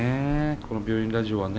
この「病院ラジオ」はね。